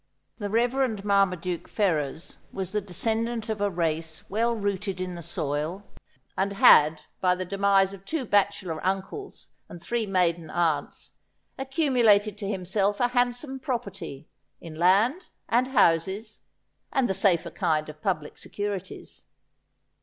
The Reverend Marmaduke Fer rers was the descendant of a race well rooted in the soil, and had, by the demise of two bachelor uncles and three maiden aunts, accumulated to himself a handsome property, in land, and houses, and the safer kind of public securities.